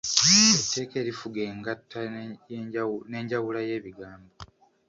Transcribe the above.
Etteeka erifuga engatta n’enjawula y’ebigambo.